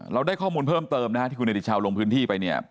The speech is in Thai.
เราได้ข้อมูลเพิ่มเติมนะฮะที่คุณเนติชาวลงพื้นที่ไปเนี่ย